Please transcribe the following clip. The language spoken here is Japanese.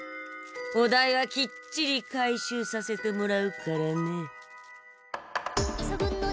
お代はきっちり回収させてもらうからね。